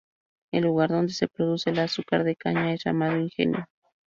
El lugar donde se produce el azúcar de caña es llamado ingenio.